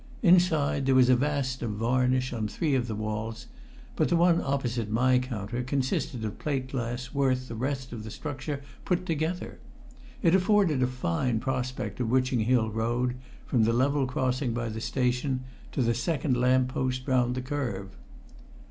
Inside there was a vast of varnish on three of the walls; but the one opposite my counter consisted of plate glass worth the rest of the structure put together. It afforded a fine prospect of Witching Hill Road, from the level crossing by the station to the second lamp post round the curve.